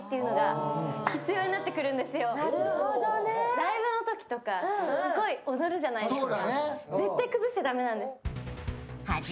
ライブの時とかすごい踊るじゃないですか。